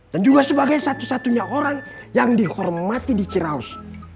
dan juga sebagai satu satunya orang yang dihormati di ciraus